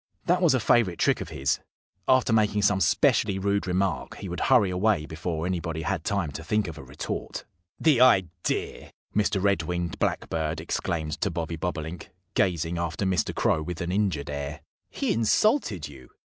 That was a favorite trick of his. After making some specially rude remark he would hurry away before anybody had time to think of a retort. "The idea!" Mr. Red winged Blackbird exclaimed to Bobby Bobolink, gazing after Mr. Crow with an injured air. "He insulted you!"